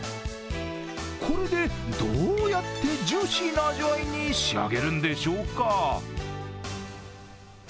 これで、どうやってジューシーな味わいに仕上げるんでしょうか。